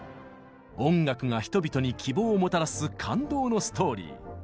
音楽が人々に希望をもたらす感動のストーリー